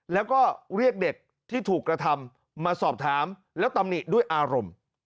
แล้วก็เรียกเด็กที่ถูกกระทำมาสอบถามแล้วตำหนิด้วยอารมณ์